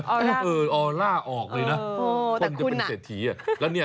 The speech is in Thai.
ออลล่าออลล่าออกเลยนะคนจะเป็นเศรษฐีน่ะโอ้โฮแต่คุณน่ะ